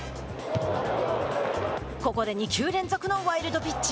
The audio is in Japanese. ここで２球連続のワイルドピッチ。